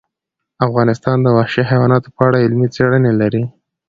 افغانستان د وحشي حیواناتو په اړه علمي څېړنې لري.